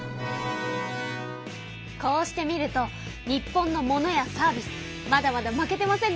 こうして見ると日本のものやサービスまだまだ負けてませんね。